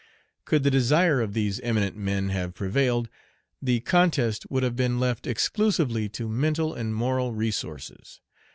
Could the desire of these eminent men have prevailed, the contest would have been left exclusively to mental and moral resources.